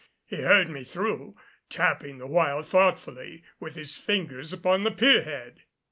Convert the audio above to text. He heard me through, tapping the while thoughtfully with his fingers upon the pier head.